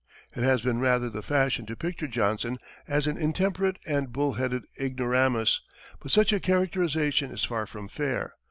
It has been rather the fashion to picture Johnson, as an intemperate and bull headed ignoramus, but such a characterization is far from fair.